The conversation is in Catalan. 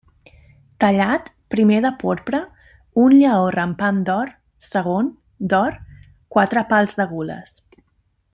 Tallat; primer, de porpra, un lleó rampant d'or; segon, d'or, quatre pals de gules.